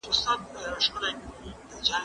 زه له سهاره کتابونه لوستل کوم!؟